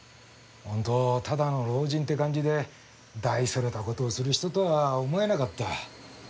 本当ただの老人って感じで大それた事をする人とは思えなかった。